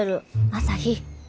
朝陽。